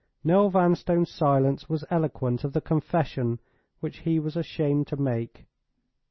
Noel Vanstone's silence was eloquent of the confession which he was ashamed to make.